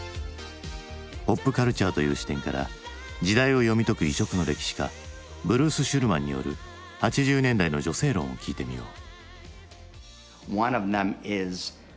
ポップカルチャーという視点から時代を読み解く異色の歴史家ブルース・シュルマンによる８０年代の女性論を聞いてみよう。